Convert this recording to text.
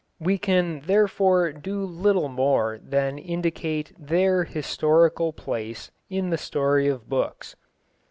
We can therefore do little more than indicate their historical place in the story of books.